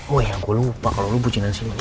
oh ya gua lupa kalo lu bucinan simpannya